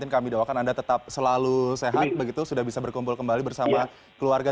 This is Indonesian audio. kami doakan anda tetap selalu sehat begitu sudah bisa berkumpul kembali bersama keluarga